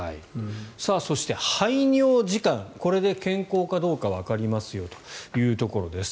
そして、排尿時間これで健康かどうかわかりますよというところです。